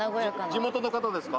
地元の方ですか？